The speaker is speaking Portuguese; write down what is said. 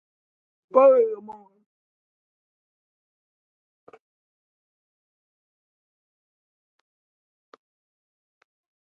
dioxigênio, enzimática, cisplatina, anticancerígena, urease